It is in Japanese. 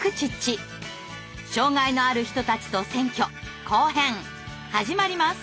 障害のある人たちと選挙後編始まります！